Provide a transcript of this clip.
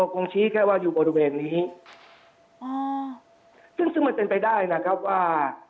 คงชี้แค่ว่าอยู่บริเวณนี้อ๋อซึ่งซึ่งมันเป็นไปได้นะครับว่า